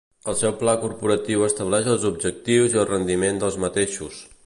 El seu Pla Corporatiu estableix els objectius i el rendiment dels mateixos.